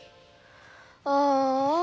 ああ。